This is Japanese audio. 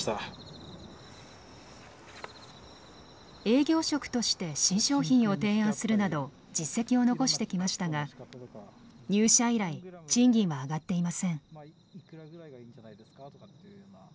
営業職として新商品を提案するなど実績を残してきましたが入社以来賃金は上がっていません。